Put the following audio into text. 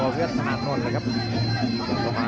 เพื่องพินธุ์สถานก่อน